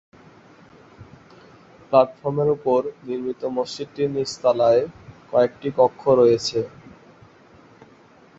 প্লাটফর্মের উপর নির্মিত মসজিদটির নিচতলায় কয়েকটি কক্ষ রয়েছে।